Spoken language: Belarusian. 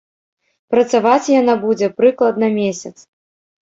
Працаваць яна будзе прыкладна месяц.